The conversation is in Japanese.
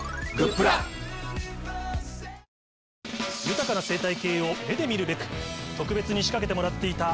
豊かな生態系を目で見るべく特別に仕掛けてもらっていた。